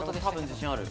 自信ある。